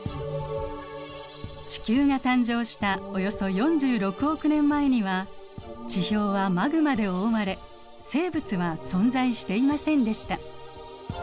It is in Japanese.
地球が誕生したおよそ４６億年前には地表はマグマで覆われ生物は存在していませんでした。